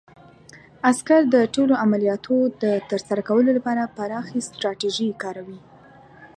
عسکر د ټولو عملیاتو د ترسره کولو لپاره پراخې ستراتیژۍ کاروي.